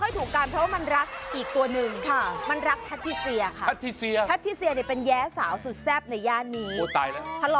เออคุณอยากได้ที่อยู่ในที่แห่งนี้หรอ